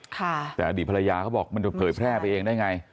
แต่อดีตภรรยาเขาบอกมันจะเผยแพร่ไปเองได้ไง